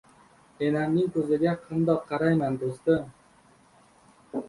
Enamning ko‘ziga qandoq qarayman, do‘stim.